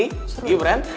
iya gitu ya gibran